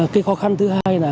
cái khó khăn thứ hai là